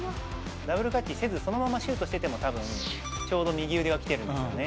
ダブルクラッチせずにそのままシュートしても、たぶん、ちょうど右腕が来てるんですよね。